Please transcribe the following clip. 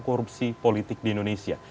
korupsi politik di indonesia